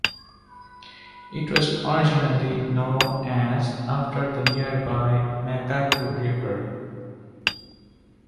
It was originally known as after the nearby Macacu River.